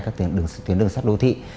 các tuyến đường sắt đô thị